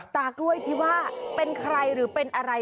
ตากล้วยที่ว่าเป็นใครหรือเป็นอะไร